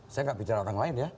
saya nggak bicara orang lain ya